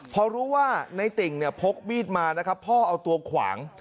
พอรู้ว่าในติ่งเนี่ยพกมีดมานะครับพ่อเอาตัวขวาง